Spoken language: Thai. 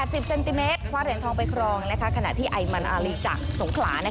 สิบเซนติเมตรคว้าเหรียญทองไปครองขณะที่ไอมันอารีจากสงขลา